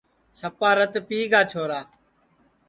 سپا رت پِیگا چھورا